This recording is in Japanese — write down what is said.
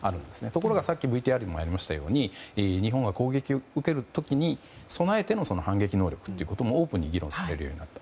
ところが、さっきＶＴＲにもありましたように日本が攻撃を受ける時に備えての反撃能力というのもオープンに議論されるようになった。